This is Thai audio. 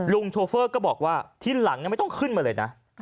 โชเฟอร์ก็บอกว่าทีหลังไม่ต้องขึ้นมาเลยนะ